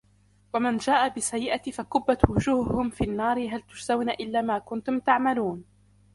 ومن جاء بالسيئة فكبت وجوههم في النار هل تجزون إلا ما كنتم تعملون